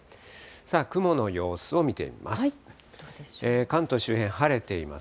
雲の様子を見てみます。